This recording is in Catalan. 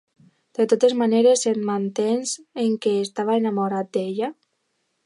De totes maneres, et mantens en què estaves enamorat d'ella?